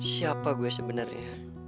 siapa gue sebenarnya